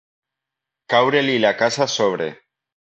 Caure-li la casa a sobre.